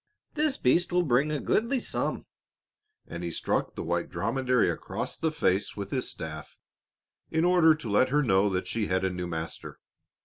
"This beast will bring a goodly sum," and he struck the white dromedary across the face with his staff in order to let her know that she had a new master.